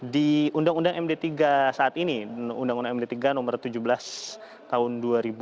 di undang undang md tiga saat ini undang undang md tiga nomor tujuh belas tahun dua ribu dua